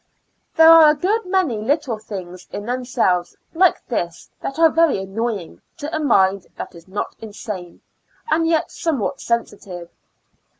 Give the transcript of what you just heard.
There are a good many little things in themselyes, lils:e this, that are very annoy ing to a mind that is not insane, and yet somewhat sensitive.